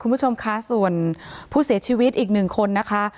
คุณผู้ชมคะส่วนผู้เสียชีวิตอีกหนึ่งคนนะคะ